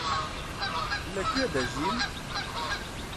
لەکوێ دەژیم؟